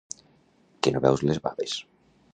Que no veus les baves?